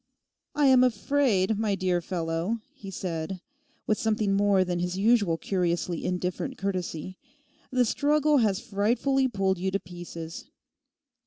'I am afraid, my dear fellow,' he said, with something more than his usual curiously indifferent courtesy, 'the struggle has frightfully pulled you to pieces.